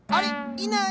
いない！